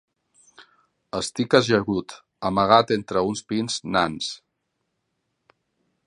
Estic ajagut, amagat entre uns pins nans